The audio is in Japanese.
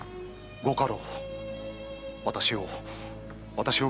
ご家老！